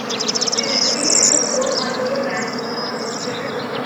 In Italy, it is sold under the brand Slam.